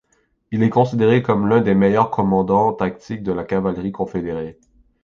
Il est considéré comme l'un des meilleurs commandant tactique de la cavalerie confédérée.